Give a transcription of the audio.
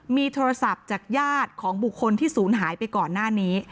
มีโทรศัพท์จากญาติของบุคคลที่ศูนย์หายไปก่อนหน้านี้